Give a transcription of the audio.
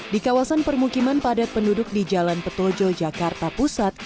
di kawasan permukiman padat penduduk di jalan petojo jakarta pusat